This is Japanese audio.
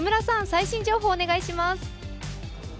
最新情報お願いします。